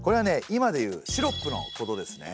今で言うシロップのことですね。